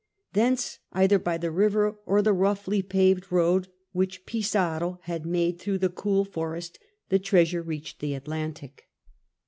Thence, either by the river or the roughly paved road which Pizarro had made through the cool forest^ the treasure reached the Atlantic.